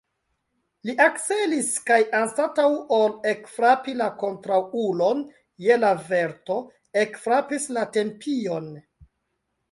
Li ekcelis kaj, anstataŭ ol ekfrapi la kontraŭulon je la verto, ekfrapis la tempion.